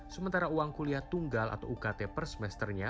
sementara uang kuliah tunggal atau ukt per semesternya